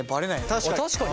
確かに。